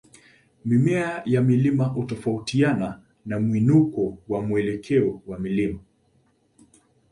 Mimea ya mlima hutofautiana na mwinuko na mwelekeo wa mlima.